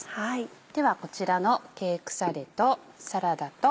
ではこちらのケークサレとサラダと。